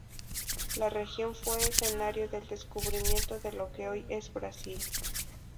La región fue escenario del descubrimiento de lo que hoy es Brasil.